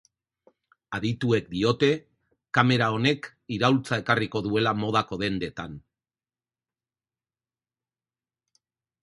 Adituek diote, kamera honek iraultza ekarriko duela modako dendetan.